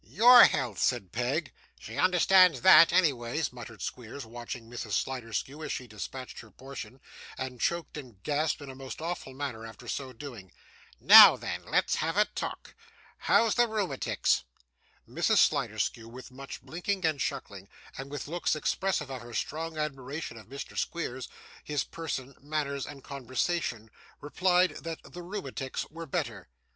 'YOUR health,' said Peg. 'She understands that, anyways,' muttered Squeers, watching Mrs Sliderskew as she dispatched her portion, and choked and gasped in a most awful manner after so doing. 'Now then, let's have a talk. How's the rheumatics?' Mrs. Sliderskew, with much blinking and chuckling, and with looks expressive of her strong admiration of Mr. Squeers, his person, manners, and conversation, replied that the rheumatics were better.